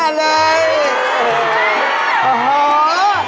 คือเลยไหม